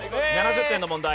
７０点の問題。